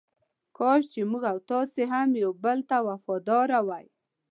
کاش چې موږ او تاسې هم یو بل ته وفاداره وای.